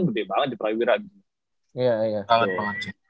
gede banget di prawira gitu